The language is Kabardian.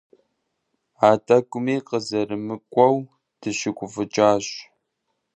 А тӀэкӀуми къызэрымыкӀуэу дыщыгуфӀыкӀащ.